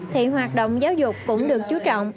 thì hoạt động giáo dục cũng được chú trọng